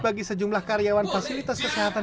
bagi sejumlah karyawan fasilitas kesehatan